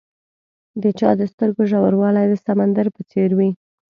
د چا د سترګو ژوروالی د سمندر په څېر وي.